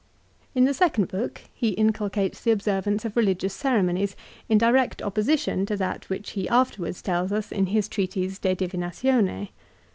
In the second book he inculcates the observance of reli gious ceremonies in direct opposition to that which he after wards tells us in his treatise " De Divinatione."